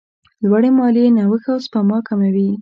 لوړې مالیې نوښت او سپما کموي.